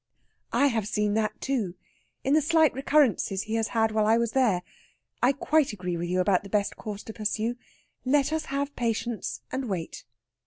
"I have seen that, too, in the slight recurrences he has had when I was there. I quite agree with you about the best course to pursue. Let us have patience and wait."